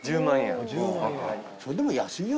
１０万円。